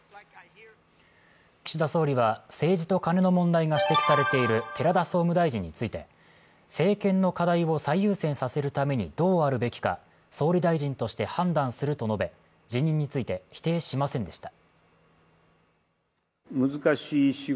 岸田総理は政治とカネの問題が指摘されている寺田総務大臣について政権の課題を最優先させるためにどうあるべきか、総理大臣として判断すると述べ、辞任について否定しませんでした。